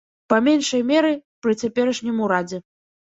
Па меншай меры, пры цяперашнім урадзе.